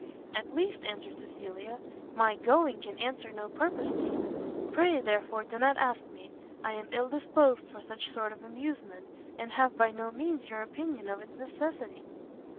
"At least," answered Cecilia, "my going can answer no purpose to you: pray, therefore, do not ask me; I am ill disposed for such sort of amusement, and have by no means your opinion of its necessity."